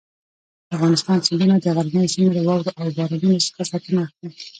د افغانستان سیندونه د غرنیو سیمو له واورو او بارانونو څخه سرچینه اخلي.